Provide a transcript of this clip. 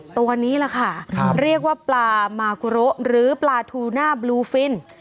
ตัวนี้แหละค่ะเรียกว่าปลามากุโรหรือปลาทูน่าบลูฟิน